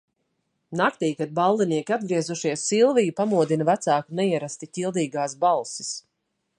Naktī, kad ballinieki atgriezušies, Silviju pamodina vecāku neierasti ķildīgās balsis.